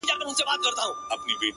نه پر مسجد ږغېږم نه پر درمسال ږغېږم _